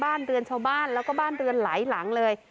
บ้านเรือนชาวบ้านแล้วก็บ้านเรือนหลายหลังเลย